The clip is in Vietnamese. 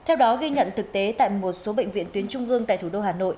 theo đó ghi nhận thực tế tại một số bệnh viện tuyến trung ương tại thủ đô hà nội